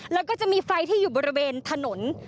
แล้วก็จะมีไฟที่อยู่บริเวณถนน